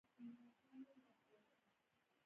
د زیتون غوړي ډیر ګټور دي.